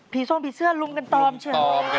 ผีส้มผีเสื้อลุมกันตอมเชิญ